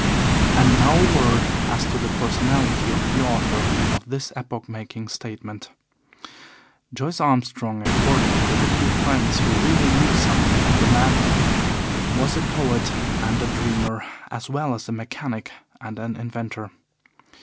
And now a word as to the personality of the author of this epoch making statement. Joyce Armstrong, according to the few friends who really knew something of the man, was a poet and a dreamer, as well as a mechanic and an inventor.